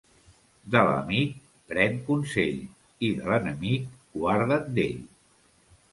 De l'amic, pren consell, i de l'enemic, guarda't d'ell.